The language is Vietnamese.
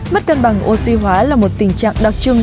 mất cân bằng oxy hóa là một tình trạng đặc trưng